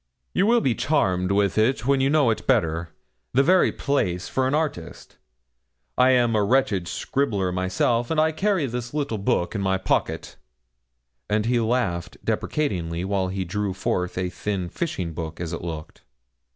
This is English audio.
'You will be charmed with it when you know it better the very place for an artist. I'm a wretched scribbler myself, and I carry this little book in my pocket,' and he laughed deprecatingly while he drew forth a thin fishing book, as it looked.